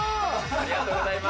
ありがとうございます。